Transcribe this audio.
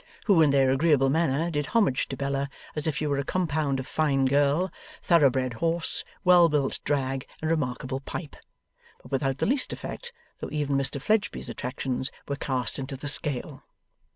Who in their agreeable manner did homage to Bella as if she were a compound of fine girl, thorough bred horse, well built drag, and remarkable pipe. But without the least effect, though even Mr Fledgeby's attractions were cast into the scale.